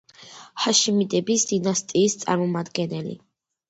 ჰაშიმიდების დინასტიის წარმომადგენელი.